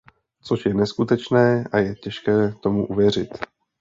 Což je neskutečné a je těžké tomu uvěřit.